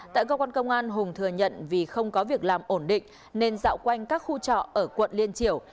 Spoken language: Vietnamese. tại cơ quan công an hùng thừa nhận vì không có việc làm ổn định nên dạo quanh các khu trọ ở quận liên triểu